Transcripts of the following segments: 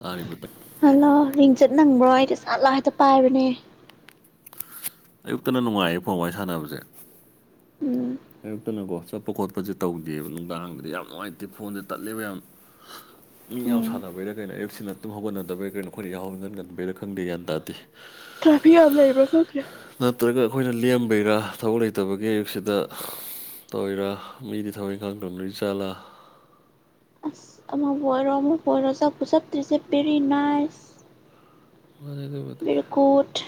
ꯇꯥꯔꯤꯕ [unintelligible] ꯍꯜꯂꯣ ꯍꯥꯌꯦꯡ ꯆꯠ ꯅꯪꯕ꯭ꯔꯣ ꯑꯩꯗꯤ ꯆꯥꯠꯂꯥꯛ ꯍꯦꯛꯇ ꯄꯥꯏꯕꯅꯦ ꯑꯌꯨꯛꯇꯅ ꯅꯨꯡꯉꯥꯏꯌꯦ ꯐꯣꯟ ꯋꯥꯔꯤ ꯁꯥꯟꯅꯕꯁꯦ ꯎꯝ ꯑꯌꯨꯛꯇꯅꯀꯣ ꯆꯠ ꯄꯣ ꯈꯣꯠꯄꯁꯦ ꯇꯧꯗꯦꯕ ꯅꯨꯡꯗꯥꯡ ꯗꯥꯗꯤ ꯌꯥꯝ ꯅꯨꯡꯉꯥꯏꯇꯦ ꯐꯣꯟꯁꯦ ꯇꯠꯂꯦꯕ ꯌꯥꯝ [unintelligible] ꯃꯢ ꯌꯥꯝ ꯎꯝ ꯁꯥꯟꯅꯕꯩꯥꯔ ꯀꯩꯅꯣ ꯑꯍꯨꯡꯁꯤꯅ ꯍꯧꯒꯠꯗꯕꯩ ꯀꯩꯅꯣ ꯑꯩꯈꯣꯏꯅ ꯌꯥꯍꯧ ꯏꯉꯟ ꯉꯟꯕꯩꯔ ꯈꯪꯗꯦꯒ꯭ꯟ ꯇꯥꯗꯤꯦ [unintelligible] ꯇ꯭ꯔꯥꯐꯤꯛ ꯌꯥꯝ ꯂꯩꯕ꯭ꯔꯥ ꯈꯪ ꯅꯠꯇ꯭ꯔꯒ ꯑꯩꯈꯣꯏꯅ ꯂꯦꯝꯕꯩꯔꯥ ꯊꯕꯛ ꯂꯩꯇꯕꯒꯤ ꯑꯌꯨꯛꯁꯤꯗ ꯇꯣꯏꯔ ꯃꯤꯗꯤ ꯊꯕꯛ ꯏꯪꯈꯥꯡ ꯇꯧ ꯅꯩꯖꯠꯂꯥ ꯑꯁ ꯑꯃꯕꯨ ꯑꯣꯏꯔꯣ ꯑꯃꯕꯨ ꯑꯣꯏꯔꯣ ꯆꯞꯄꯨ ꯆꯄꯇꯔꯁꯦ ꯕꯦꯔꯤ ꯅꯥꯏꯁ [unintelligible] ꯎꯠ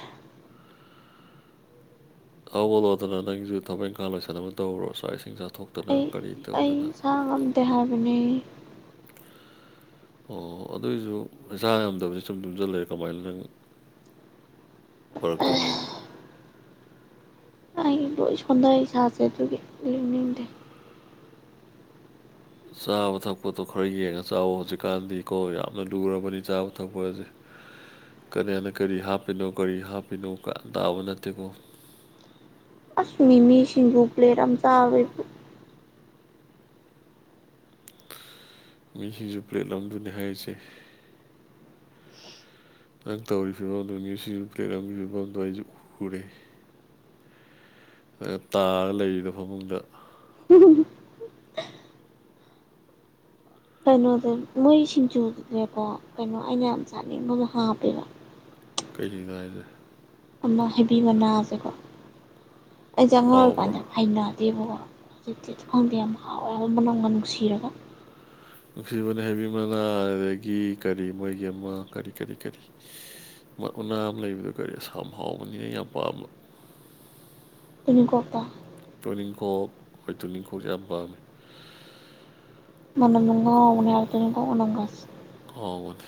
ꯍꯧꯍꯠꯂꯣꯗꯅ ꯅꯪꯖꯨ ꯊꯕꯛ ꯏꯪꯈꯥꯡ ꯂꯣꯏꯁꯟꯅꯕ ꯇꯧꯔꯨꯔꯣ ꯆꯥꯛ ꯏꯁꯤꯡ ꯆꯥꯊꯣꯛ ꯑꯩ ꯑꯩ ꯏꯁꯥ ꯉꯝꯗꯦ ꯍꯥꯏꯕꯅꯦ [inaudible] ꯑꯣ ꯑꯗꯨ ꯑꯣꯏꯁꯨ ꯅꯁꯥ ꯉꯝꯗꯕꯗꯣ ꯁꯨꯝ ꯇꯨꯝꯖꯜ ꯂꯩꯔ ꯀꯃꯥꯏꯅ ꯅꯪ ꯐꯔꯛꯇꯣꯏꯅꯣ ꯑꯩ ꯂꯣꯏ ꯁꯣꯟꯗꯩ ꯏꯁꯥꯁꯦ ꯑꯗꯨꯒꯤ ꯂꯦꯡꯅꯤꯡꯗꯦ ꯆꯥꯕ ꯊꯛꯄꯗꯣ ꯈꯔ ꯌꯦꯡꯉ ꯆꯥꯎ ꯍꯧꯖꯤꯛꯀꯥꯟꯗꯤ ꯀꯣ ꯌꯥꯝꯅ ꯂꯨꯔꯕꯅꯤ ꯆꯥꯕ ꯊꯛꯄꯥꯁꯦ ꯀꯅꯥꯅ ꯀꯔꯤ ꯍꯥꯞꯄꯤꯅꯣ ꯀꯔꯤ ꯍꯥꯞꯄꯤꯅꯣ [unintelligible] ꯇꯥꯕ ꯅꯠꯇꯦꯀꯣ ꯑꯁ ꯃꯤꯃꯤ ꯁꯤꯡꯖꯨ ꯄ꯭ꯂꯦꯠ ꯑꯝ ꯆꯥꯕꯩ ꯄꯨꯛ ꯃꯤꯃꯤ ꯁꯤꯡꯖꯨ ꯄ꯭ꯂꯦꯠ ꯑꯝꯗꯨꯅꯤ ꯍꯥꯏꯔꯤꯁꯦ ꯅꯪ ꯇꯧꯔꯤ ꯐꯤꯕꯝꯗꯣ [unintelligible] ꯁꯤꯡꯖꯨ ꯄ꯭ꯂꯦꯠꯑꯝꯒꯤ ꯐꯤꯕꯝꯗꯣ ꯑꯩꯁꯨ ꯎꯔꯦ ꯐꯖꯅ ꯇꯥꯔꯒ ꯂꯩꯔꯤꯗꯣ ꯐꯃꯨꯡꯗ [unintelligible] ꯀꯩꯅꯣꯗ ꯃꯣꯏ ꯁꯤꯡꯖꯨꯗꯨꯗ ꯍꯦꯛ ꯀꯣ ꯀꯩꯅꯣ ꯑꯩꯅ ꯌꯥꯝ ꯆꯥꯅꯤꯡꯕꯃ ꯍꯥꯞꯄꯦꯕ ꯀꯔꯤꯅꯣ ꯍꯥꯏꯖꯦ ꯑꯃ ꯍꯩꯕꯤ ꯃꯅꯥꯁꯦꯀꯣ ꯑꯩꯁꯦ ꯑꯉꯥꯡ ꯍꯥꯎꯕ꯭ꯔꯣ ꯑꯣꯏꯔꯤꯀꯥꯟꯗ ꯍꯩꯅꯗꯦꯕꯀꯣ ꯍꯧꯖꯤꯛꯇꯤ [unintelligible] ꯈꯪꯗꯦ ꯌꯥꯝ ꯍꯥꯎꯋꯦ ꯍꯥꯏꯕ ꯃꯅꯝꯒ ꯅꯨꯡꯁꯤꯔꯒ ꯅꯨꯡꯁꯤꯕꯅꯦ ꯍꯩꯕꯤ ꯃꯅꯥ ꯑꯗꯒꯤ ꯀꯔꯤ ꯃꯣꯏꯒꯤ ꯑꯃ ꯀꯔꯤ ꯀꯔꯤ ꯀꯔꯤ ꯃꯣꯏ ꯎꯅꯥ ꯑꯃ ꯂꯩꯕꯗꯣ ꯀꯔꯤ ꯑꯁꯥꯝ ꯍꯥꯎꯕꯅꯤ ꯑꯩ ꯌꯥꯝ ꯄꯥꯝꯕ ꯇꯣꯅꯤꯡꯈꯣꯛꯇꯣ ꯇꯣꯅꯤꯡꯈꯣꯛ ꯍꯣꯏ ꯇꯨꯅꯤꯡꯈꯣꯛꯁꯦ ꯌꯥꯝ ꯄꯥꯝꯃꯦ ꯃꯅꯝꯗꯣ ꯉꯥꯎꯕꯅꯦ ꯍꯥꯏꯕ ꯇꯨꯅꯤꯡꯈꯣꯛ ꯃꯅꯝ ꯒꯥ ꯉꯥꯎꯕꯅꯦ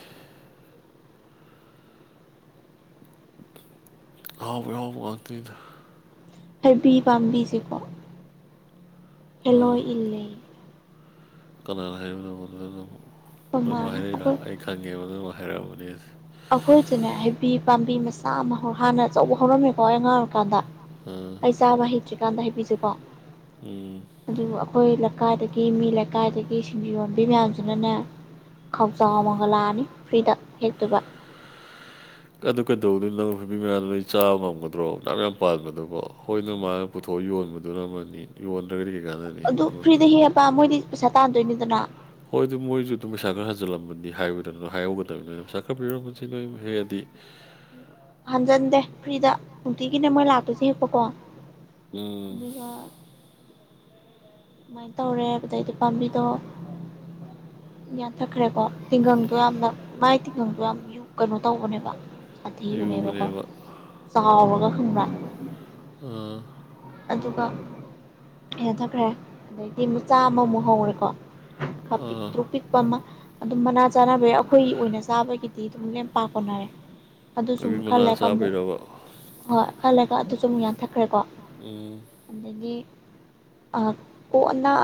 ꯑꯍꯥꯏꯕꯩ ꯑꯍꯥꯎꯕ ꯉꯥꯛꯇꯅꯤꯗ ꯍꯩꯕꯤ ꯄꯥꯝꯕꯤꯁꯦꯀꯣ ꯑꯥ ꯍꯦꯂꯣꯏ ꯏꯜꯂꯦ ꯑꯩꯈꯣꯏ ꯀꯅꯥꯅ ꯍꯥꯏꯕꯅꯣꯕ ꯑꯗꯨꯅ ꯑꯃꯨꯛ ꯅꯣꯏ ꯃꯥ ꯃꯥꯅ ꯍꯥꯏꯔꯛꯏꯔꯥ ꯑꯩꯈꯣꯏ ꯑꯩ ꯈꯪꯉꯦꯕ ꯅꯣꯏ ꯃꯥ ꯍꯥꯏꯔꯛꯑꯝꯒꯅꯦꯁꯦ ꯑꯈꯣꯏꯆꯨꯅꯦ ꯍꯩꯕꯤ ꯄꯥꯝꯕꯤ ꯃꯆꯥ ꯑꯃ ꯍꯧ ꯍꯥꯟꯅ ꯑꯆꯧꯕ ꯍꯧꯔꯝꯃꯦꯀꯣ ꯑꯩ ꯑꯉꯥꯡ ꯀꯥꯟꯗ ꯑꯥ ꯑꯩ ꯆꯥꯕ ꯍꯩꯇ꯭ꯔꯤꯀꯥꯟꯗ ꯍꯩꯕꯤꯁꯦꯀꯣ ꯎꯝ ꯑꯗꯨꯕꯨ ꯑꯈꯣꯏ ꯂꯩꯀꯥꯏꯗꯒꯤ ꯃꯤ ꯂꯩꯀꯥꯏꯗꯒꯤ ꯁꯤꯡꯖꯨ ꯌꯣꯟꯕꯤ ꯃꯌꯥꯝꯁꯤꯅꯅꯦ ꯈꯥꯎꯖꯥꯎ ꯑꯃꯝꯒ ꯂꯥꯛꯑꯅꯤ ꯐ꯭ꯔꯤꯗ ꯍꯦꯛꯇꯣꯏꯕ [inaudible] ꯑꯗꯨ ꯀꯩꯗꯧꯔꯨꯗꯣꯏ ꯅꯪ ꯍꯩꯕꯤ ꯃꯅꯥꯗꯣ ꯅꯣꯏ ꯆꯥꯕ ꯉꯝꯒꯗ꯭ꯔꯣ ꯑꯗꯥꯝ ꯌꯥꯝ ꯄꯥꯟꯕꯗꯨꯕꯣ ꯍꯣꯏꯅ ꯅꯣꯏ ꯃꯥ ꯄꯨꯊꯣꯛꯑ ꯌꯣꯟꯕꯗꯨꯅ ꯑꯃꯅꯤ ꯌꯣꯟꯗ꯭ꯔꯒꯗꯤ ꯀꯩ ꯀꯥꯟꯅꯅꯤ ꯑꯗꯨ ꯏꯕꯨꯡꯉꯣ ꯐ꯭ꯔꯤꯗ ꯍꯦꯛꯑꯕ ꯃꯣꯏꯗꯤ ꯄꯩꯁꯥ ꯇꯥꯟꯗꯣꯏꯅꯤꯗꯅ ꯍꯣꯏ ꯑꯗꯨ ꯃꯣꯏꯁꯨ ꯑꯗꯨꯝ ꯄꯩꯁꯥ ꯈꯔ ꯍꯟꯖꯤꯜꯂꯝꯃꯅꯤ ꯍꯥꯏꯌꯨꯗꯅ ꯍꯥꯏꯍꯧꯒꯗꯕꯅꯤ ꯅꯣꯏꯅꯥ ꯄꯩꯁꯥ ꯈꯔ ꯄꯤꯔꯝꯃꯨ ꯁꯤ ꯅꯣꯏ ꯍꯦꯛꯑꯗꯤ ꯍꯟꯖꯟꯗꯦ ꯐ꯭ꯔꯤꯗ ꯅꯨꯡꯇꯤꯒꯤꯅꯦ ꯃꯣꯏ ꯂꯥꯛꯇꯣꯏꯁꯦ ꯍꯦꯛꯄꯀꯣ ꯎꯝ ꯑꯗꯨꯒ ꯑꯗꯨꯃꯥꯏꯅ ꯇꯧꯔꯦ ꯍꯥꯏꯕꯗꯩꯗꯤ ꯄꯥꯝꯕꯤꯗꯣ ꯌꯥꯟꯊꯠꯈ꯭ꯔꯦꯀꯣ ꯇꯤꯡꯒꯪꯗꯣ ꯌꯥꯝꯅ ꯃꯥꯏ ꯇꯤꯡꯒꯪꯗꯣ ꯌꯥꯝ ꯌꯨ ꯀꯩꯅꯣ ꯇꯧꯕꯅꯦꯕ ꯁꯥꯊꯤꯕꯅꯦꯕꯀꯣ ꯌꯨꯕꯅꯦꯕ ꯆꯥꯎꯔꯒ ꯈꯪꯕ꯭ꯔꯥ ꯑꯥ ꯑꯗꯨꯒ ꯌꯥꯟꯊꯠꯈ꯭ꯔꯦ ꯑꯗꯩꯗꯤ ꯃꯨꯛ ꯆꯥꯝꯃꯃꯨꯛ ꯍꯧꯔꯦꯀꯣ ꯈ ꯑꯥ ꯄꯤꯛꯇ꯭ꯔꯨ ꯄꯤꯛꯄ ꯑꯃ ꯑꯗꯨꯝ ꯃꯅꯥ ꯆꯥꯅꯕꯩ ꯑꯩꯈꯣꯏꯒꯤ ꯑꯣꯏꯅ ꯆꯥꯕꯒꯤꯗꯤ ꯑꯗꯨꯝ ꯂꯦꯝꯄꯥ ꯀꯣꯟꯅꯔꯦ꯫ ꯀꯣꯕꯤ ꯑꯗꯨꯁꯨꯃꯨꯛ ꯈꯔ ꯃꯅꯥ ꯂꯩꯔꯒ ꯑꯃꯨꯛ ꯆꯥꯕꯩꯔꯕ ꯍꯣꯏ ꯈꯔ ꯂꯩꯔꯒ ꯑꯗꯨꯁꯨ ꯑꯃꯨꯛ ꯌꯥꯟꯊꯠꯈ꯭ꯔꯦꯀꯣ꯫ ꯎꯝ꯫ ꯑꯗꯒꯤ ꯑ ꯀꯣꯟꯅ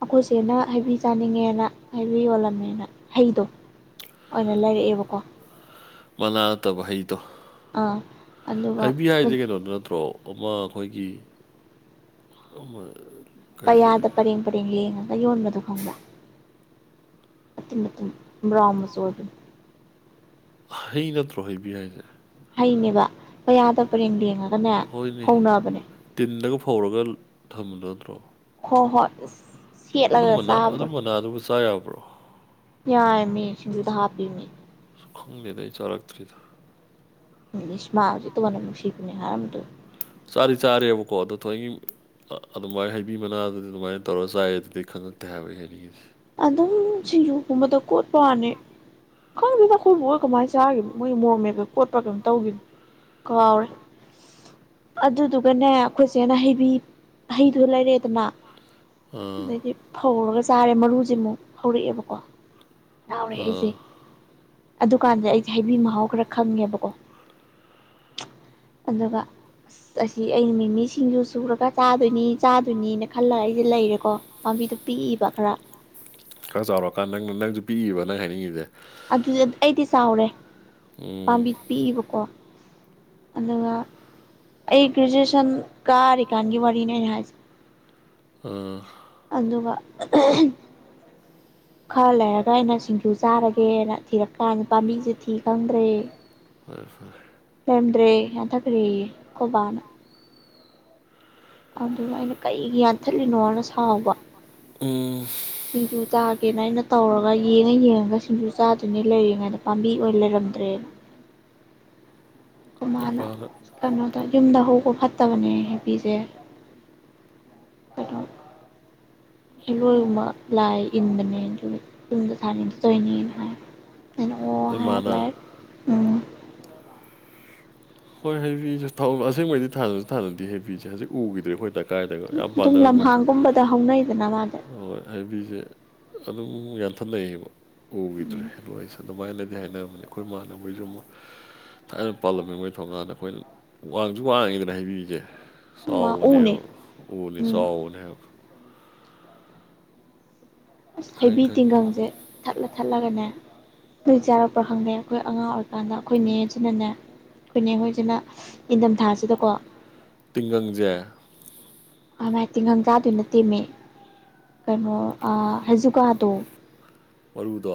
ꯑꯩꯈꯣꯏꯆꯦꯅ ꯍꯩꯕꯤ ꯆꯥꯅꯤꯡꯉꯦꯅ ꯍꯥꯏꯕꯤ ꯌꯣꯜꯂꯝꯃꯦꯅ ꯍꯩꯗꯣ ꯑꯣꯏꯅ ꯂꯩꯔꯛꯑꯦꯕ ꯃꯅꯥꯥ ꯅꯠꯇꯕ ꯍꯩꯗꯣ ꯑꯥ ꯑꯗꯨꯒ ꯍꯩꯕꯤ ꯍꯥꯏꯖꯦ ꯀꯩꯅꯣꯗꯣ ꯅꯠꯇ꯭ꯔꯣ? ꯑꯃ ꯑꯩꯈꯣꯏꯒꯤ [unintelligible] ꯄꯩꯌꯥꯗ ꯄꯔꯦꯡ ꯄꯔꯦꯡ ꯂꯦꯡꯉꯒ ꯌꯣꯟꯕꯗꯣ ꯈꯪꯕ꯭ꯔꯥ? ꯃꯇꯨꯝ-ꯃꯇꯨꯝ ꯕ꯭ꯔꯥꯎꯟ ꯃꯆꯨꯑꯣꯏꯕꯅꯤ꯫ ꯍꯩ ꯅꯠꯇ꯭ꯔꯣ ꯍꯩꯕꯤ ꯍꯥꯏꯁꯦ? ꯍꯩꯅꯦꯕ ꯄꯌꯥꯗ ꯄꯔꯦꯡ ꯌꯦꯡꯉꯒ ꯍꯣꯏꯅꯦ ꯇꯤꯟꯗꯒ ꯐꯧꯔꯒ ꯊꯝꯕꯗꯣ ꯅꯠꯇ꯭ꯔꯣ? ꯍꯣꯍꯣꯏ ꯑꯁ꯫ ꯑꯗꯨꯃꯅꯥ ꯑꯗꯨꯃꯅꯥꯗꯨꯕꯨ ꯆꯥ ꯌꯥꯕ꯭ꯔꯣ? ꯌꯥꯏꯃꯦ ꯁꯤꯡꯖꯨꯗ ꯍꯥꯞꯄꯦꯃꯦ꯫ ꯁ ꯈꯪꯗꯦꯗ ꯑꯩ ꯆꯥꯔꯛꯇ꯭ꯔꯤꯗ꯫ ꯏꯁ ꯃꯥ ꯍꯧꯖꯤꯛꯇ ꯃꯅꯝ ꯅꯨꯡꯁꯤꯕꯅꯦ [unintelligible] ꯆꯥꯗꯤ ꯆꯥꯔꯦꯕꯀꯣ ꯑꯗꯣ ꯊꯑꯣꯏ ꯑꯗꯨꯃꯥꯏꯅ ꯍꯩꯕꯤ ꯃꯅꯥ ꯑꯗꯨꯗꯤ ꯑꯗꯨꯃꯥꯏꯅ ꯇꯧꯔꯒ ꯆꯥꯏ ꯑꯗꯨꯗꯤ ꯈꯪꯉꯛꯇꯦ ꯍꯥꯏꯕ ꯑꯩꯅ ꯍꯥꯏꯅꯤꯡꯉꯤꯁꯦ꯫ ꯑꯗꯨꯝ ꯁꯤꯡꯖꯨꯒꯨꯝꯕꯗ ꯀꯣꯠꯄꯋꯥꯅꯤ ꯈꯪꯗꯦꯗ ꯑꯩꯈꯣꯏꯕꯨꯛ ꯍꯣꯏ ꯀꯃꯥꯏꯅ ꯆꯥꯈꯤꯕꯅꯣ ꯃꯣꯏ ꯃꯣꯔꯣ ꯃꯦꯠꯄ ꯀꯣꯠꯄ ꯀꯩꯅꯝ ꯇꯧꯈꯤꯕꯅꯤ꯫ ꯀꯥꯎꯔꯦ꯫ ꯑꯗꯨꯗꯨꯒꯅꯦ ꯑꯩꯈꯣꯏꯁꯦꯅ ꯍꯩꯕꯤ ꯍꯩꯗꯨ ꯂꯩꯔꯛꯑꯦꯗꯅ ꯑꯥ ꯑꯗꯩꯗꯤ ꯐꯧꯔꯒ ꯆꯥꯔꯦ ꯃꯔꯨꯁꯦ ꯑꯃꯨꯛ ꯍꯧꯔꯛꯑꯦꯕꯀꯣ꯫ ꯍꯔꯥꯎꯔꯦ ꯑꯥ ꯑꯩꯁꯦ ꯑꯗꯨꯀꯥꯟꯗ ꯑꯩꯁꯦ ꯍꯩꯕꯤ ꯃꯍꯥꯎ ꯈꯔ ꯈꯪꯉꯦꯕꯀꯣ [unintelligible] ꯑꯗꯨꯒ ꯑꯁ ꯑꯁꯤ ꯑꯩꯅ ꯃꯤꯃꯤꯁꯤꯡꯁꯖꯨ ꯁꯨꯔꯛ ꯆꯥꯗꯣꯏꯅꯤ ꯆꯥꯗꯣꯏꯅꯤꯅ ꯈꯜꯂꯒ ꯑꯩꯁꯦ ꯂꯩꯔꯦꯀꯣ ꯄꯥꯝꯕꯤꯗꯨ ꯄꯤꯛꯏꯕ ꯈꯔ ꯈꯔ ꯆꯥꯎꯔꯀꯥꯟꯗ ꯅꯪꯅ ꯅꯪꯁꯨ ꯄꯤꯛꯏꯕ ꯅꯪ ꯍꯥꯏꯅꯤꯡꯉꯤꯁꯦ ꯑꯗꯨꯗꯤ ꯑꯩꯗꯤ ꯆꯥꯎꯔꯦ ꯎꯝ ꯄꯥꯝꯕꯤꯗꯤ ꯄꯤꯏꯕꯀꯣ ꯑꯗꯨꯒ ꯑꯩ ꯒ꯭ꯔꯦꯖꯨꯑꯦꯁꯟ ꯀꯥꯔꯤꯀꯥꯟꯒꯤ ꯋꯥꯔꯤꯅꯦ ꯑꯩꯅ ꯍꯥꯏꯁꯦ꯫ ꯑ ꯑꯗꯨꯒ [unintelligible] ꯈꯔ ꯂꯩꯔꯒ ꯑꯩꯅ ꯁꯤꯡꯖꯨ ꯆꯥꯔ ꯒꯦꯅ ꯊꯤꯔꯛꯀꯥꯟꯗ ꯄꯥꯟꯕꯤꯁꯦ ꯊꯤ ꯈꯪꯗ꯭ꯔꯦ꯫ ꯐꯔꯦ-ꯐꯔꯦ ꯂꯩꯔꯝꯗ꯭ꯔꯦ ꯌꯥꯟꯊꯈ꯭ꯔꯤꯌꯦ ꯑꯩꯈꯣꯏꯕꯥꯅ ꯑꯗꯨꯒ ꯑꯩꯅ ꯀꯔꯤꯒꯤ ꯌꯥꯟꯊꯠꯂꯤꯅꯣꯅ ꯁꯥꯎꯕ ꯎꯝ꯫ ꯁꯤꯡꯖꯨ ꯆꯥꯒꯦꯅ ꯑꯩꯅ ꯇꯧꯔꯒ ꯌꯦꯡꯉ ꯌꯦꯡꯉꯒ ꯁꯤꯡꯖꯨ ꯆꯥꯗꯣꯏꯅꯦ ꯂꯩꯔꯤꯉꯩꯗ ꯄꯥꯝꯕꯤ ꯑꯣꯏꯅ ꯂꯩꯔꯝꯗ꯭ꯔꯦꯅ ꯑꯩꯈꯣꯏꯃꯥꯅ ꯅꯄꯥꯅ ꯀꯩꯅꯣ ꯇꯧꯏ ꯌꯨꯝꯗ ꯍꯧꯕ ꯐꯠꯇꯕꯅꯦ ꯍꯩꯕꯤꯁꯦ ꯍꯦꯂꯣꯏꯒꯨꯝꯕ ꯂꯥꯏ ꯏꯟꯕꯅꯦ ꯑꯗꯨꯒꯤ ꯌꯨꯝꯗ ꯊꯥꯅꯤꯡ ꯗꯇꯧꯏꯅꯦꯅ ꯍꯥꯏ꯫ ꯑꯩꯅ ꯑꯣ ꯅꯣꯏ ꯃꯥꯅ ꯍꯥꯏꯔꯒ [unintelligible] ꯎꯝ꯫ ꯍꯣꯏ ꯍꯩꯕꯤꯁꯦ ꯑꯁꯦꯡꯕꯩꯗꯤ ꯊꯥꯅꯁꯨ ꯊꯥꯅꯗꯦ ꯍꯩꯕꯤꯁꯦ ꯍꯧꯖꯤꯛ ꯎꯈꯤꯗ꯭ꯔꯦ ꯑꯩꯈꯣꯏ ꯑꯗꯥꯏꯗ ꯑꯗꯥꯏꯗꯒ ꯌꯥꯝ ꯑꯗꯨꯝ ꯄꯥꯟꯅꯔꯝꯕꯅꯦ꯫ ꯂꯝꯍꯥꯡꯒꯨꯝꯕꯗ ꯍꯧꯅꯩꯗꯅ ꯃꯥꯗꯤ ꯍꯣꯏ ꯍꯩꯕꯤꯁꯦ ꯑꯗꯨꯝ ꯌꯥꯟꯊꯠꯅꯌꯦꯕ ꯎꯈꯤꯗ꯭ꯔꯦ ꯎꯝ [unintelligible] ꯑꯗꯨꯃꯥꯏꯅꯗꯤ ꯍꯥꯏꯅꯔꯝꯅꯤ ꯑꯩꯈꯣꯏ ꯏꯃꯥꯟꯅꯕꯣꯏꯁꯨ ꯑꯃꯨꯛ ꯊꯥꯏꯅ ꯄꯥꯜꯂꯝꯃꯦ ꯃꯣꯏ ꯊꯣꯡꯀꯥꯟꯗ ꯑꯩꯈꯣꯏ ꯋꯥꯡꯁꯨ ꯋꯥꯡꯉꯦꯗꯅ ꯍꯩꯕꯤꯁꯦ ꯋꯥ ꯆꯥꯎꯕꯅꯦꯕ ꯎꯅꯦ ꯎꯅꯤ ꯎꯝ ꯆꯥꯎꯕꯅꯦꯕ ꯑꯁ ꯈꯪꯉꯤ ꯍꯩꯕꯤ ꯈꯪꯉꯤ ꯇꯤꯡꯒꯪꯁꯦ ꯊꯠꯂ ꯊꯠꯂꯒꯅꯦ ꯅꯣꯏ ꯆꯥꯔꯛꯄ꯭ꯔꯥ ꯈꯪꯗꯦ ꯑꯩꯈꯣꯏ ꯑꯉꯥꯡ ꯑꯣꯏꯔꯤꯀꯥꯟꯗ ꯑꯩꯈꯣꯏ ꯅꯦꯁꯤꯅꯅꯦ ꯑꯩꯈꯣꯏ ꯅꯦꯈꯣꯏꯁꯤꯅ ꯏꯟꯊꯝꯊꯥꯁꯤꯗꯀꯣ ꯇꯤꯡꯒꯪꯁꯦ ꯑꯥꯏꯃ ꯇꯤꯡꯒꯪ ꯆꯥꯗꯣꯏ ꯅꯠꯇꯦꯃꯦ ꯀꯩꯅꯣ ꯑ ꯍꯧꯖꯨꯀꯥꯗꯣ ꯃꯔꯨꯗꯣ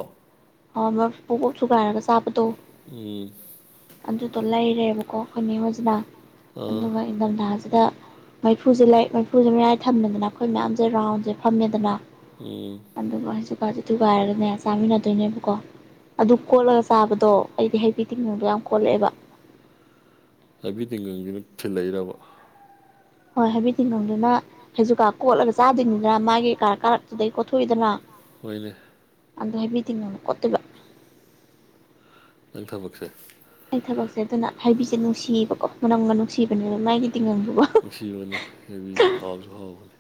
ꯍꯣꯏ ꯃꯔꯨ ꯄꯣꯞ ꯄꯣꯞ ꯊꯨꯒꯥꯏꯔꯒ ꯆꯥꯕꯗꯣ ꯎꯝ ꯑꯗꯨꯗꯣ ꯂꯩꯔꯦꯕꯀꯣ ꯑꯩꯈꯣꯏꯅꯦ ꯍꯣꯏꯖꯤꯅ ꯑꯥ ꯑꯗꯨꯒ ꯏꯟꯊꯝꯊꯥꯁꯤꯗ ꯃꯩꯐꯨꯁꯦ ꯂꯥꯏ ꯃꯩꯐꯨꯁꯦ ꯃꯌꯥꯏ ꯊꯝꯃꯦꯗꯅ ꯑꯩꯈꯣꯏ ꯃꯌꯥꯝꯁꯦ ꯔꯥꯎꯟꯁꯦ ꯐꯝꯃꯦꯗꯅ ꯎꯝ ꯑꯗꯨꯒ ꯍꯥꯏꯁꯨꯀꯁꯦ ꯊꯨꯒꯥꯏꯔꯒꯅꯦ ꯆꯥꯃꯤꯟꯅꯗꯣꯏꯅꯦꯕꯀꯣ ꯑꯗꯨ ꯀꯣꯠꯂꯒ ꯆꯥꯕꯗꯣ ꯑꯩꯗꯤ ꯍꯩꯕꯤ ꯇꯤꯡꯒꯪꯗꯨ ꯌꯥꯝ ꯀꯣꯠꯂꯛꯑꯦꯕ ꯍꯥꯏꯕꯤ ꯇꯤꯡꯒꯪꯖꯤꯅ ꯊꯤꯜꯂꯛꯏꯔꯕ ꯍꯣꯏ ꯍꯥꯏꯕꯤ ꯇꯤꯡꯈꯪꯗꯨꯅ ꯍꯩꯖꯨꯀꯥ ꯀꯣꯠꯂꯒ ꯆꯥꯗꯣꯏꯅꯤꯗꯅ ꯃꯥꯒꯤ ꯀꯥꯔꯛ ꯀꯥꯔꯛꯇꯨꯗꯒꯤ ꯀꯣꯠꯊꯣꯛꯏꯗꯅ ꯍꯣꯏꯅꯦ ꯑꯗꯣ ꯍꯥꯏꯕꯤ ꯇꯤꯡꯈꯪꯅ ꯀꯣꯠꯇꯣꯏꯕ ꯅꯪ ꯊꯕꯛꯁꯦ ꯑꯩ ꯊꯕꯛꯁꯦ ꯑꯗꯨꯅ ꯍꯥꯏꯕꯤꯁꯦ ꯅꯨꯡꯁꯤꯌꯦꯕꯀꯣ ꯃꯅꯝꯒ ꯅꯨꯡꯁꯤꯕꯅꯦ ꯃꯥꯏꯒꯤ ꯇꯤꯡꯒꯪꯗꯨꯀꯣ ꯅꯨꯡꯁꯤꯕꯅꯦ ꯍꯩꯕꯤꯁꯦ ꯍꯥꯎꯁꯨ ꯍꯥꯎꯕꯅꯦ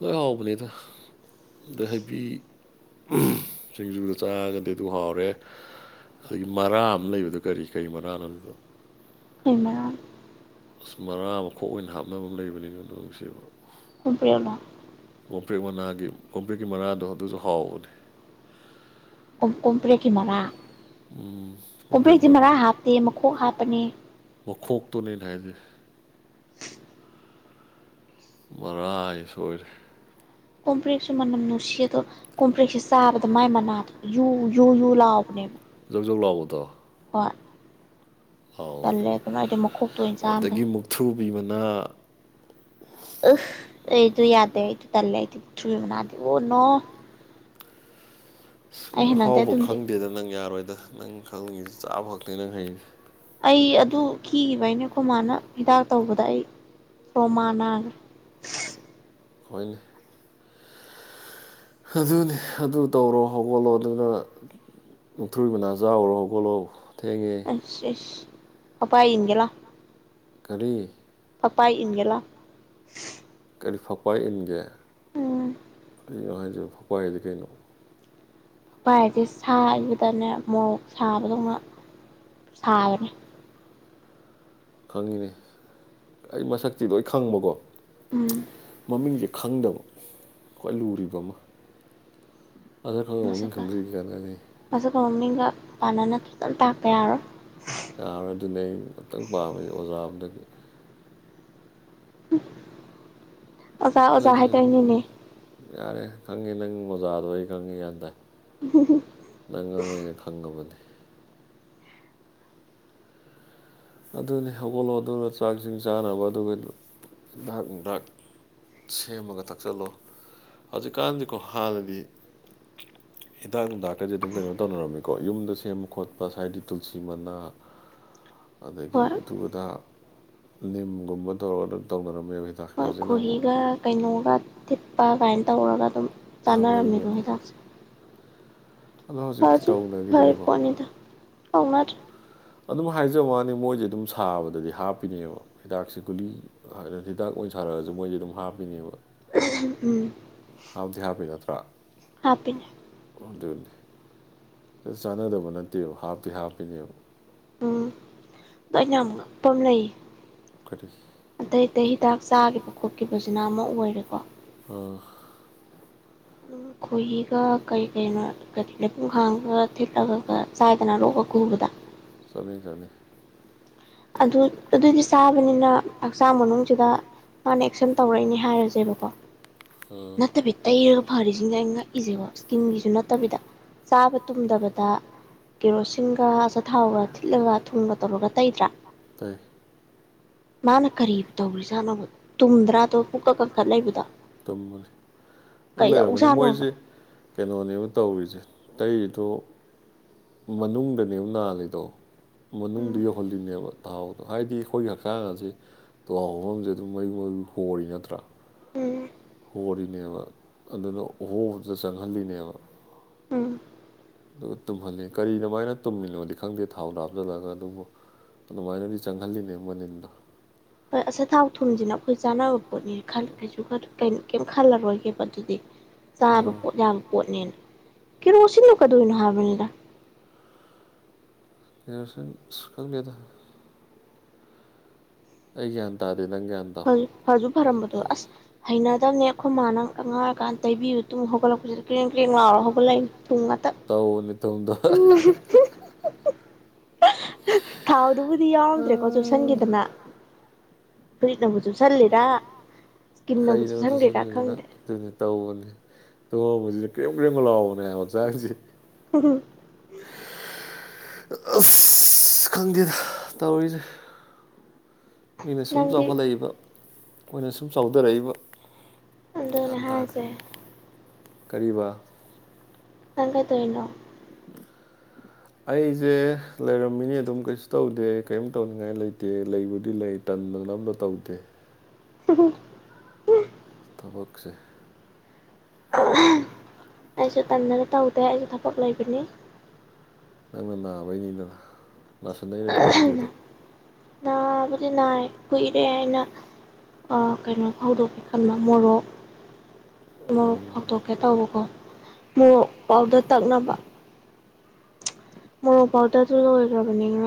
ꯂꯣꯏ ꯍꯥꯎꯕꯅꯤꯗ ꯑꯗꯩ ꯍꯩꯕꯤ ꯁꯤꯡꯖꯨꯒ ꯆꯥꯔꯒꯗꯤ ꯑꯗꯨ ꯍꯥꯎꯔꯦ ꯍꯩ ꯃꯔꯥ ꯑꯃ ꯂꯩꯕꯗꯣ ꯀꯔꯤ ꯀꯔꯤ ꯃꯔꯥꯅꯣ ꯑꯗꯨꯗꯣ ꯀꯩ ꯃꯔꯥ ꯑꯁ ꯃꯔꯥ ꯃꯈꯣꯛ ꯑꯣꯏꯅ ꯍꯥꯞꯅꯕ ꯑꯃ ꯂꯩꯕꯅꯤꯅꯦ ꯑꯗꯨ ꯅꯨꯡꯁꯤꯕ ꯀꯣꯝꯄ꯭ꯔꯦꯛꯂꯣ ꯀꯣꯄ꯭ꯔꯦꯛ ꯃꯅꯥꯒꯤ ꯀꯣꯄ꯭ꯔꯦꯛꯀꯤ ꯃꯔꯥꯗꯣ ꯑꯗꯨꯁꯨ ꯍꯥꯎꯕꯅꯦ ꯀꯣꯝ ꯀꯣꯝꯄ꯭ꯔꯦꯛꯀꯤ ꯃꯔꯥ ꯎꯝ ꯀꯣꯝꯄ꯭ꯔꯦꯛ ꯀꯣꯝꯄ꯭ꯔꯦꯛꯇꯤ ꯃꯅꯥ ꯃꯔꯥ ꯍꯥꯞꯇꯦ ꯃꯈꯣꯛ ꯍꯥꯞꯄꯅꯦ ꯃꯤꯈꯣꯛꯇꯣꯅꯦ ꯑꯩꯅ ꯍꯥꯏꯁꯦ ꯃꯔꯥ ꯍꯥꯏ ꯁꯣꯏꯔꯦ ꯀꯣꯝꯄ꯭ꯔꯦꯛꯁꯨ ꯃꯅꯝ ꯅꯨꯡꯁꯤ ꯑꯗꯣ ꯀꯝꯄ꯭ꯔꯦꯛꯁꯦ ꯆꯥꯕꯗ ꯃꯥꯏ ꯃꯅꯥꯗꯣ ꯌꯨ ꯌꯨ ꯌꯨ ꯂꯥꯎꯕꯅꯦꯕ ꯖꯧ ꯖꯧ ꯂꯥꯎꯕꯗꯣ ꯍꯣꯏ ꯍꯥꯎꯕꯅꯦ ꯇꯜꯂꯦ ꯑꯗꯨꯝ ꯑꯩꯗꯤ ꯃꯈꯣꯛꯇꯣ ꯑꯣꯏꯅ ꯆꯥꯝꯅ ꯐꯩ ꯑꯗꯒꯤ ꯃꯨꯛꯊ꯭ꯔꯨꯕꯤ ꯃꯅꯥ ꯑꯁ ꯑꯩꯗꯨ ꯌꯥꯗꯦ ꯑꯩꯗꯨ ꯇꯜꯂꯦ ꯑꯩꯗꯤ ꯃꯨꯛꯊꯔꯨꯕꯤ ꯃꯅꯥꯗꯤ ꯑꯣ ꯅꯣ ꯑꯁ ꯑꯩ ꯅꯪ ꯍꯩꯅꯗꯦ ꯑꯍꯥꯎꯕ ꯑꯗꯨꯝꯗꯤ ꯈꯪꯗꯦꯗ ꯅꯪ ꯌꯥꯔꯣꯏꯗ ꯅꯪ ꯈꯪꯉꯤꯁꯦ ꯆꯥꯕ ꯈꯛꯇꯪꯅꯦ ꯅꯪ ꯍꯩꯁꯦ ꯑꯩ ꯑꯗꯨ ꯈꯤꯒꯤꯕꯩꯅꯦ ꯈꯣꯏ ꯃꯥꯅ ꯍꯤꯗꯥꯛ ꯇꯧꯕꯗ ꯑꯩ ꯇꯔꯣꯃꯥ ꯅꯥꯒ꯭ꯔꯦ ꯍꯣꯏꯅꯦ ꯑꯗꯨꯅꯦ ꯑꯗꯨ ꯇꯧꯔꯣ ꯍꯧꯒꯠꯂꯣ ꯑꯗꯨꯅ ꯃꯨꯛꯊꯔꯨꯕꯤ ꯃꯅꯥ ꯆꯥꯎꯔꯣ ꯍꯧꯒꯠꯂꯣ ꯊꯦꯡꯉꯦ ꯏꯁ ꯏꯁ ꯄꯛꯄꯥꯏ ꯏꯟꯒꯦ ꯂꯥꯎ ꯀꯥꯔꯤ ꯐꯄꯥꯏ ꯏꯟꯒꯦꯂꯥꯎ ꯀꯥꯔꯤ ꯐꯛꯄꯏ ꯏꯟꯒꯦ ꯎꯝ ꯀꯥꯔꯤꯅꯣ ꯍꯥꯟꯖꯨꯕꯣ ꯐꯛꯄꯥꯏꯗꯤ ꯀꯩꯅꯣ ꯄꯥꯏꯗꯤ ꯁꯥꯏꯕꯗꯅꯦ ꯃꯣꯔꯣꯛ ꯁꯥꯕꯗꯧꯅ ꯁꯥꯕꯅꯦ ꯈꯪꯉꯤꯅꯦ ꯑꯩ ꯃꯁꯛꯇꯤ ꯂꯣꯏ ꯈꯪꯕꯀꯣ ꯎꯝ ꯃꯃꯤꯡꯗꯤ ꯈꯪꯗꯕ ꯈꯨꯋꯥꯏ ꯂꯨꯔꯤꯕ ꯃꯥ ꯈꯪꯉꯥ ꯃꯃꯤꯡ ꯃꯁꯛꯀ ꯈꯪꯗ꯭ꯔꯗꯤ ꯀꯩꯀꯟꯔꯤ ꯃꯁꯛꯀ ꯃꯃꯤꯡꯒ ꯄꯥꯟꯅꯅ ꯈꯤꯇꯪ ꯇꯥꯛꯇ ꯌꯥꯔꯣꯏ ꯌꯥꯔꯣꯏ ꯑꯗꯨꯅꯦ ꯑꯩ ꯑꯝꯇꯪ ꯄꯥꯝꯃꯦ ꯑꯣꯖꯥꯑꯝꯗꯒꯤ ꯍꯨꯝ ꯌꯥꯔꯦ ꯈꯪꯉꯦ ꯅꯪ ꯃꯣꯖꯥꯗ ꯑꯩ ꯈꯪꯉꯦ ꯌꯥꯟ ꯇꯥꯏ [inaudible] ꯅꯪ ꯑꯃ ꯑꯩꯅ ꯈꯪꯉꯕꯅꯤ ꯑꯗꯨꯅꯦ ꯍꯧꯒꯠꯂꯣꯗꯨꯅ ꯆꯥꯛꯁꯤꯡ ꯆꯥꯅꯕ ꯑꯗꯨꯒꯥ ꯍꯤꯗꯛ ꯅꯨꯡꯗꯛ ꯁꯦꯝꯃꯒ ꯊꯛꯆꯜꯂꯣ ꯍꯧꯖꯤꯛꯀꯥꯟꯗꯤꯀꯣ ꯍꯥꯟꯅꯗꯤ ꯍꯤꯗꯥꯛ ꯅꯨꯡꯗꯛꯒꯖꯦ ꯑꯗꯨꯝ ꯀꯩꯅꯣ ꯇꯧꯅꯔꯝꯃꯤꯀꯣ ꯌꯨꯝꯗ ꯁꯦꯝꯕ ꯈꯣꯠꯄ ꯁꯥꯏꯗꯤ ꯇꯨꯜꯁꯤ ꯃꯅꯥ ꯑꯗꯒꯤ ꯍꯣꯏ ꯑꯘꯨꯑꯗꯥ ꯅꯤꯝꯒꯨꯝꯕ ꯇꯧꯔꯒ ꯑꯗꯨꯝ ꯇꯧꯅꯔꯝꯃꯦꯕ ꯍꯤꯗꯥꯛꯁꯦ ꯍꯣꯏ ꯍꯧꯖꯤꯛꯅ ꯑꯃꯨꯛ ꯈꯣꯍꯤꯒ ꯀꯩꯅꯣꯒ ꯊꯤꯠꯄ ꯀꯥꯏꯅ ꯇꯧꯔꯒ ꯑꯗꯨꯝ ꯌꯥꯝ ꯆꯥꯟꯅꯔꯝꯃꯤꯗꯣ ꯂꯩꯕꯅꯤ ꯍꯤꯗꯥꯛꯁꯦ ꯑꯗꯣ ꯍꯧꯖꯤꯛꯇꯤ ꯐꯁꯨ ꯐꯔꯤ ꯇꯥꯎꯅꯒꯤꯗ꯭ꯔꯦꯀꯣ ꯄꯣꯠꯅꯤꯗ ꯇꯧꯅꯗ꯭ꯔꯦ ꯑꯗꯨꯝ ꯍꯥꯏꯖꯕ ꯋꯅꯤ ꯃꯣꯏꯗꯤ ꯑꯗꯨꯝ ꯁꯥꯕꯗꯗꯤ ꯍꯥꯞꯄꯤꯅꯦꯕ ꯍꯤꯗꯥꯛꯁꯦ ꯒꯨꯂꯤ ꯍꯤꯗꯥꯛ ꯑꯣꯏꯅ ꯁꯥꯔꯛꯑꯖꯨ ꯃꯣꯏꯗꯤ ꯑꯗꯨꯝ ꯍꯥꯞꯄꯤꯅꯦꯕ ꯎꯝ ꯍꯥꯞꯇꯤ ꯍꯥꯞꯄꯤ ꯅꯠꯇ꯭ꯔꯥ ꯍꯥꯞꯄꯤꯟ ꯑꯗꯨꯅꯤ ꯆꯥꯟꯅꯗꯕ ꯅꯠꯇꯦꯕ ꯍꯥꯞꯇꯤ ꯍꯥꯞꯄꯤꯅꯦꯕ ꯎꯝ ꯗꯣ ꯑꯩꯅ ꯌꯝ ꯉꯛꯄ ꯑꯝ ꯂꯩꯌꯦ ꯀꯔꯤ ꯑꯇꯩ ꯑꯇꯩ ꯍꯤꯗꯥꯛ ꯆꯥꯒꯤꯕ ꯈꯣꯠꯀꯤꯕꯖꯤꯅ ꯑꯃ ꯑꯣꯏꯔꯦꯀꯣ ꯑ ꯑꯗꯨꯝ ꯈꯣꯏꯍꯤꯒ ꯀꯩ ꯀꯩꯅꯣ ꯂꯩꯄꯨꯡ ꯈꯥꯡꯒ ꯊꯤꯠꯂꯒ ꯒ ꯆꯥꯏꯗꯅ ꯂꯣꯛꯀ ꯈꯨꯕꯗ ꯆꯅꯩꯆꯅꯩ ꯑꯗꯨ ꯑꯗꯨꯗꯤ ꯆꯥꯕꯅꯤꯅ ꯍꯛꯆꯥꯡ ꯃꯅꯨꯡꯁꯤꯗ ꯃꯥꯅ ꯑꯦꯛꯁꯟ ꯇꯧꯔꯛꯏꯅꯦ ꯍꯥꯏꯔꯖꯪꯕꯀꯣ ꯅꯠꯇꯕꯤ ꯇꯩꯔꯒ ꯐꯔꯤꯖꯤꯡꯖꯦ ꯑꯩꯩꯅ ꯉꯛꯏꯖꯦꯀꯣ ꯏꯁꯀꯤꯟꯒꯤꯁꯨ ꯅꯠꯇꯕꯤꯗ ꯆꯥꯕ ꯇꯨꯝꯗꯕꯗ ꯀꯦꯔꯣꯁꯤꯟꯒ ꯑꯆꯥꯊꯥꯎꯒ ꯊꯤꯠꯂꯒ ꯊꯨꯝꯒ ꯇꯧꯔꯒ ꯇꯩꯗ꯭ꯔꯥ ꯇꯩ ꯃꯥꯅ ꯀꯔꯤ ꯇꯧꯔꯤꯖꯠꯅꯣꯕ ꯇꯨꯝꯗ ꯄꯨꯛꯀ ꯀꯟꯈꯠ ꯂꯩꯕꯗ ꯇꯨꯝꯕꯅꯤ ꯀꯩꯗꯧ ꯂꯩꯔꯝꯒꯅꯤ ꯖꯠꯅꯣꯕ ꯃꯣꯏꯁꯦ ꯀꯩꯅꯣꯅꯦꯕ ꯇꯧꯔꯤꯖꯦ ꯇꯩꯔꯤꯗꯣ ꯃꯅꯨꯡꯗꯅꯦꯕ ꯅꯥꯜꯂꯤꯗꯣ ꯃꯅꯨꯡꯗꯣ ꯎꯝ ꯌꯧꯍꯜꯂꯤꯅꯦꯕ ꯇꯥꯎꯗꯣ ꯍꯥꯏꯗꯤ ꯑꯈꯣꯏꯒꯤ ꯍꯛꯆꯥꯡꯑꯖꯦ ꯇꯨꯍꯥꯎ ꯍꯧꯕꯝꯖꯦ ꯑꯗꯨꯝ ꯃꯌꯨ ꯃꯌꯨ ꯍꯣꯔꯤ ꯅꯠꯇ꯭ꯔꯥ ꯎꯝ ꯔꯤꯅꯦꯕ ꯑꯗꯨꯅ ꯑꯣꯍꯣꯕꯗꯨ ꯆꯪꯍꯜꯂꯤꯅꯦꯕ ꯎꯝ ꯗꯨꯒ ꯇꯨꯝꯍꯜꯂꯤ ꯀꯔꯤ ꯗꯨꯃꯥꯏꯅ ꯇꯨꯝꯃꯤꯅꯣꯗꯤ ꯈꯪꯗꯦ ꯊꯥꯎꯗꯣ ꯍꯥꯞꯆꯟꯂꯒ ꯑꯗꯨꯕꯨ ꯑꯗꯨꯃꯥꯏꯅꯗꯤ ꯆꯪꯍꯜꯂꯤꯅꯦ ꯃꯅꯤꯟꯗꯣ ꯍꯣꯏ ꯑꯁꯥꯊꯥꯎ ꯊꯨꯝꯁꯤꯅ ꯑꯩꯈꯣꯏ ꯆꯥꯅꯕ ꯄꯣꯠꯅꯤꯅ ꯈꯜꯗ꯭ꯔꯤꯁꯤꯕꯨ ꯀꯩ ꯀꯩꯅꯣ ꯀꯦꯝ ꯈꯜꯂꯔꯣꯏꯒꯦꯕ ꯑꯗꯨꯗꯤ ꯆꯥꯕ ꯑꯥ ꯄꯣꯠ ꯌꯥꯝ ꯄꯣꯠꯅꯦꯅ ꯀꯦꯔꯣꯁꯤꯟꯗꯣ ꯀꯩꯗꯣꯏꯅꯣ ꯍꯥꯏꯕꯅꯤꯗ ꯀꯦꯔꯣꯁꯤꯟ ꯑꯁ ꯈꯪꯗꯦꯗ ꯑꯩ ꯒ꯭ꯌꯥꯟ ꯇꯗꯦ ꯅꯪ ꯒ꯭ꯌꯥꯟ ꯇꯥꯎ ꯐꯖꯨ ꯐꯔꯝꯕꯗꯣ ꯑꯁ ꯍꯩꯅꯗꯕꯅꯦ ꯑꯩꯈꯣꯏ ꯃꯥꯅ ꯑꯉꯥꯡ ꯑꯣꯏꯀꯥꯟꯗ ꯇꯩꯕꯤꯕꯗꯣ ꯇꯨꯝ ꯍꯧꯒꯠꯂꯛꯄꯁꯤꯗ ꯀ꯭ꯔꯦꯡ ꯀ꯭ꯔꯦꯡ ꯂꯥꯎꯔꯥ ꯍꯧꯒꯠꯂꯛꯏꯅꯦ ꯊꯨꯝ ꯉꯥꯛꯇ ꯇꯧꯕꯅꯤ ꯇꯨꯝꯗꯕ ꯊꯥꯎꯗꯨꯕꯨꯗꯤ ꯌꯥꯎꯔꯝꯗ꯭ꯔꯦꯀꯣ ꯆꯨꯞꯁꯤꯟꯈꯤꯗꯅ ꯐꯨꯔꯤꯠꯅꯕꯨ ꯆꯨꯞꯁꯟꯂꯤꯔ‌ꯥ ꯏꯁꯀꯤꯟꯅꯕꯨ ꯀꯩꯅꯣ ꯆꯨꯞꯁꯟꯒ꯭ꯔꯤꯔꯥ ꯆꯨꯁꯟꯗꯅ ꯈꯪꯗꯦ ꯑꯗꯨꯅꯤ ꯇꯧꯕꯅꯤ ꯇꯨꯝ ꯍꯧꯒꯠꯂꯛꯄꯁꯤꯗ ꯀ꯭ꯔꯦꯝ ꯀ꯭ꯔꯦꯝ ꯂꯤꯎꯕꯅꯦ ꯍꯥꯏꯕ ꯍꯛꯆꯥꯡꯁꯦ ꯍꯝ ꯑꯁ ꯈꯪꯗꯦꯗ ꯇꯧꯔꯤꯁꯦ ꯃꯤꯅ ꯁꯨꯝ ꯅꯪꯗꯤ ꯆꯥꯎꯈꯠꯂꯛꯏꯕ ꯑꯩꯈꯣꯏꯅ ꯁꯨꯝ ꯆꯥꯎꯊꯔꯛꯏꯕ ꯑꯗꯨꯅꯦ ꯒ꯭ꯌꯥꯟ ꯇꯥꯗ꯭ꯔꯦ ꯍꯥꯏꯁꯦ ꯀꯔꯤꯕ ꯅꯡ ꯀꯩꯗꯣꯏꯅꯣ ꯑꯩꯁꯦ ꯂꯩꯔꯝꯃꯤꯅꯤ ꯑꯗꯨꯝ ꯀꯩꯁꯨ ꯇꯧꯗꯦ ꯀꯔꯤꯝ ꯇꯧꯅꯤꯡꯉꯥꯏ ꯂꯩꯇꯦ ꯂꯩꯕꯨꯗꯤ ꯂꯩ ꯇꯟꯗꯅ ꯑꯃꯇ ꯇꯧꯗꯦ [inaudible] ꯊꯕꯛꯁꯦ ꯑꯩꯁꯨ ꯇꯟꯅꯗꯅ ꯇꯧꯗꯦ ꯑꯩꯁꯨ ꯊꯕꯛ ꯂꯩꯕꯅꯤ ꯅꯪꯅ ꯅꯥꯕꯩꯅꯤꯗꯅ ꯅꯥꯁꯟꯅꯩꯔꯥꯗꯤ ꯈꯪꯗꯦ ꯑꯗꯣ ꯅꯥꯕꯨꯗꯤ ꯅꯥꯏ ꯀꯨꯏꯔꯦ ꯑꯩꯅ ꯑꯥ ꯀꯩꯅꯣ ꯐꯧꯗꯣꯛ ꯀꯦ ꯈꯟꯕꯥ ꯃꯣꯔꯣꯛ ꯎꯝ ꯃꯣꯔꯣꯛ ꯐꯧꯗꯣꯛꯀꯦ ꯇꯧꯕꯀꯣ ꯃꯣꯔꯣꯛ ꯄꯥꯎꯗꯔ ꯇꯛꯅꯕ ꯃꯣꯔꯣꯛ ꯄꯥꯎꯗꯔ ꯗꯣ ꯂꯣꯏꯒꯔ꯭ꯕꯅꯦ ꯉꯔꯥꯡ